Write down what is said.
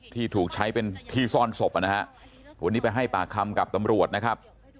ที่ถูกใช้เป็นที่ซ่อนศพนะฮะวันนี้ไปให้ปากคำกับตำรวจนะครับ